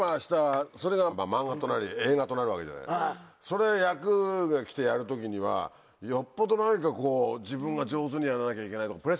となるわけじゃないそれ役が来てやる時にはよっぽど何かこう自分が上手にやらなきゃいけないとか。